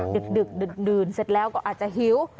ดึกดื่นเสร็จแล้วก็อาจจะหิว